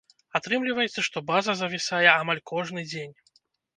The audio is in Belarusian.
Атрымліваецца, што база завісае амаль кожны дзень.